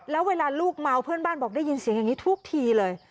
แล้วเวลาลูกเมาเพื่อนบ้านบอกได้ยินเสียงอย่างนี้ทุกทีเลย